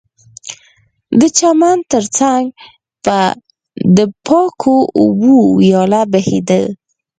د چمن ترڅنګ به د پاکو اوبو ویاله بهېده